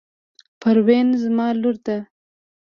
پروین زما لور ده.